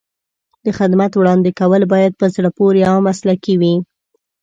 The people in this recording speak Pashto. د خدمت وړاندې کول باید په زړه پورې او مسلکي وي.